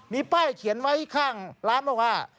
มีป้ายเขียนไว้ข้างร้านเมืองอ่ะว่า